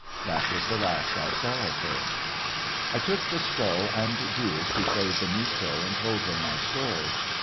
That was the last I saw of her. I took the skull and jewels to Fray Benito, and told him my story.